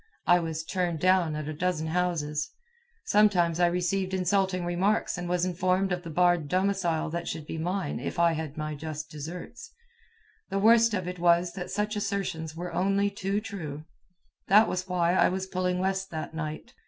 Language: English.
I was "turned down" at a dozen houses. Sometimes I received insulting remarks and was informed of the barred domicile that should be mine if I had my just deserts. The worst of it was that such assertions were only too true. That was why I was pulling west that night.